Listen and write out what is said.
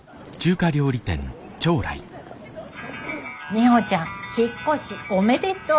ミホちゃん引っ越しおめでとう。